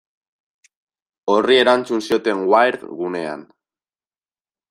Horri erantzun zioten Wired gunean.